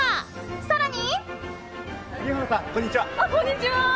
更に。